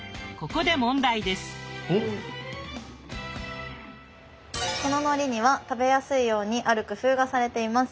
こののりには食べやすいようにある工夫がされています。